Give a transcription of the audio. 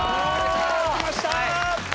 きました！